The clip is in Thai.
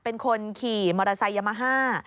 เป็นคนขี่มอเตอร์ไซค์ยามาฮ่า